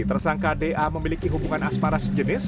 tersangka da memiliki hubungan asmara sejenis